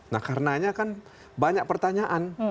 nah karenanya kan banyak pertanyaan